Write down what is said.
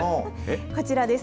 こちらです。